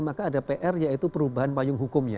maka ada pr yaitu perubahan payung hukumnya